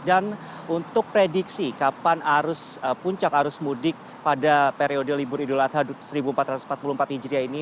dan untuk prediksi kapan puncak arus mudik pada periode libur idul adha seribu empat ratus empat puluh empat hijriah ini